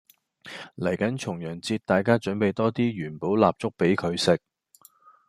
嚟緊重陽節大家準備多啲元寶蠟燭俾佢食